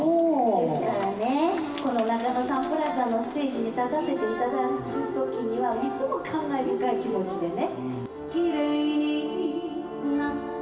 ですからね、この中野サンプラザのステージに立たせていただくときには、いつも感慨深い気持ちでね。